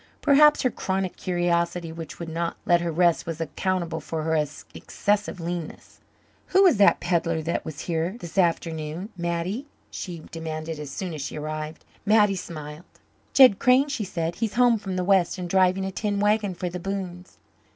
Perhaps her chronic curiosity, which would not let her rest, was accountable for her excessive leanness. "Who was that pedlar that was here this afternoon, Mattie?" she demanded as soon as she arrived. Mattie smiled. "Jed Crane," she said. "He's home from the West and driving a tin wagon for the Boones."